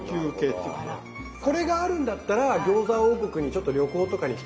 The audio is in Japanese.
これがあるんだったら餃子王国にちょっと旅行とかに来てもいいかなと。